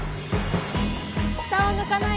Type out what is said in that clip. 下を向かないで。